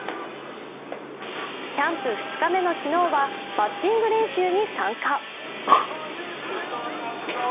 キャンプ２日目の昨日はバッティング練習に参加。